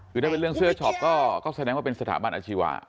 คือถ้าเป็นเรื่องเสื้อช็อปก็แสดงว่าเป็นสถาบันอาชีวะ